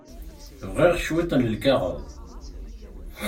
Bɣiɣ cwiṭ n lkaɣeḍ.